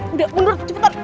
udah mundur cepetan